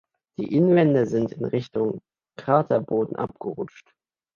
Die Innenwände sind in Richtung Kraterboden abgerutscht.